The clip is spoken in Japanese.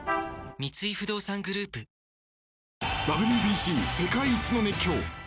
三井不動産グループあっ！